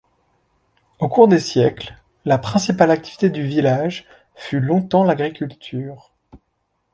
Au cours des siècles, la principale activité du village fut longtemps l'agriculture.